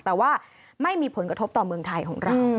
แต่ว่าไม่มีผลกระทบต่อเมืองไทยของเรา